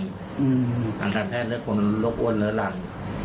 คนทางแทนนั้นจะลดอ้วนหรือหลัง